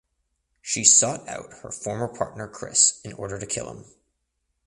She sought out her former partner Chris in order to kill him.